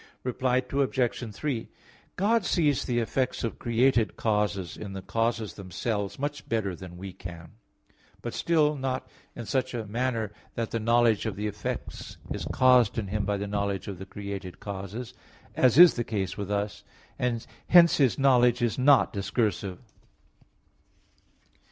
Reply Obj. 3: God sees the effects of created causes in the causes themselves, much better than we can; but still not in such a manner that the knowledge of the effects is caused in Him by the knowledge of the created causes, as is the case with us; and hence His knowledge is not discursive.